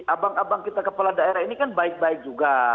abang abang kita kepala daerah ini kan baik baik juga